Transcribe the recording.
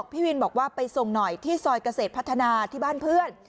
พี่วินบอกว่าไปส่งหน่อยที่ซอยเกษตรพัฒนาที่บ้านเพื่อน